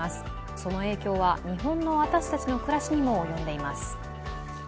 その影響は日本の私たちの暮らしにも及んでいます。